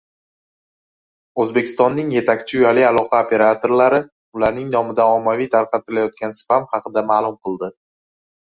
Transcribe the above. Oʻzbekistonning yetakchi uyali aloqa operatorlari ularning nomidan ommaviy tarqatilayotgan spam haqida maʼlum qildi.